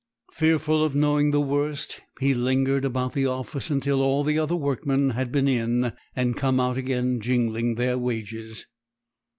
Fearful of knowing the worst, he lingered about the office until all the other workmen had been in and come out again jingling their wages.